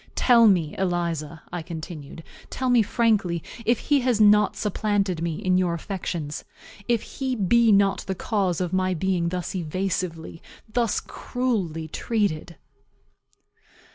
"Tell me, Eliza," I continued, "tell me frankly, if he has not supplanted me in your affections if he be not the cause of my being thus evasively, thus cruelly, treated."